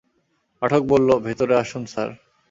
পাঠক বলল, ভেতরে আসুন স্যার।